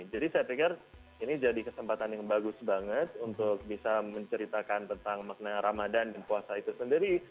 jadi saya pikir ini jadi kesempatan yang bagus banget untuk bisa menceritakan tentang makna ramadan dan puasa itu sendiri